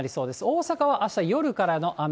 大阪はあした夜からの雨。